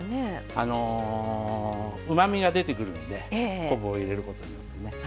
うまみが出てくるので昆布を入れることによってね。